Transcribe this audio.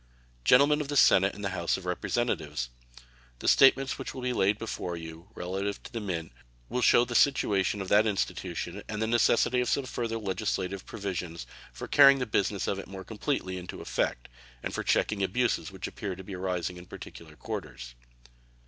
Gentlemen of the Senate and of the House of Representatives: The statements which will be laid before you relative to the Mint will shew the situation of that institution and the necessity of some further legislative provisions for carrying the business of it more completely into effect, and for checking abuses which appear to be arising in particular quarters.